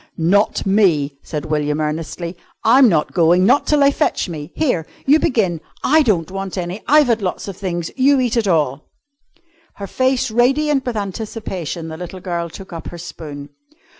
"Not me," said William earnestly. "I'm not going not till they fetch me. Here! you begin. I don't want any. I've had lots of things. You eat it all." Her face radiant with anticipation, the little girl took up her spoon.